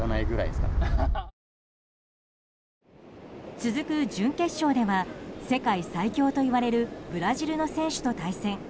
続く準決勝では世界最強と言われるブラジルの選手と対戦。